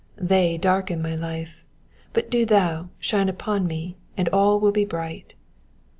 They darken my life, but do thou shine upon me, and all will be bright.